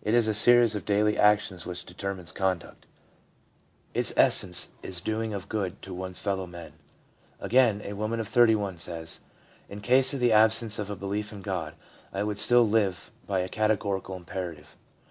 It is a series of daily actions which determines conduct. Its essence is daily 322 THE PSYCHOLOGY OF RELIGION doing of good to one's fellow men.' Again, a woman of 31 says: ' In case of the absence of a belief in God, I would still live by a categorical imperative.'